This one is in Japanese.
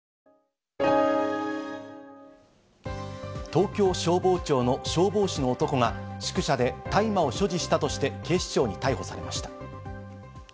東京消防庁の消防士の男が宿舎で大麻を所持したとして警視庁に逮捕されました。